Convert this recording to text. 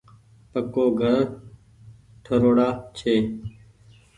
پڪو گھر ٺروڙآ ڇي۔